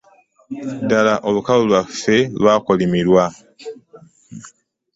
Ddala olukalu lwaffe lwakolimirwa?